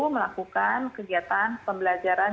melakukan kegiatan pembelajaran